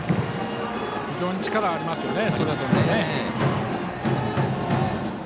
非常に力がありますよね。